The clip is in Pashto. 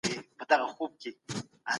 په مال کي حقونه ادا کړئ.